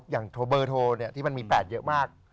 อย่างโทรเบอร์โทรที่มันมี๘เยอะมาก